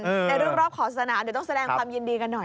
ในเรื่องรอบขอสนาเดี๋ยวต้องแสดงความยินดีกันหน่อย